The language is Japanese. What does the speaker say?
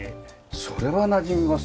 それはなじみますよ。